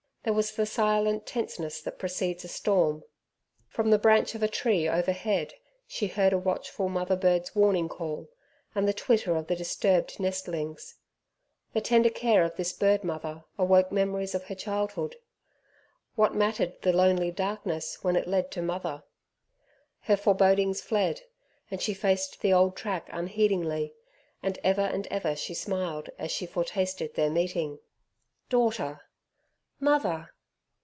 There was the silent tenseness that precedes a storm. From the branch of a tree overhead she heard a watchful mother bird's warning call, and the twitter of the disturbed nestlings. The tender care of this bird mother awoke memories of her childhood. What mattered the lonely darkness, when it led to mother. Her forebodings fled, and she faced the old track unheedingly, and ever and ever she smiled, as she foretasted their meeting. "Daughter!" "Mother!"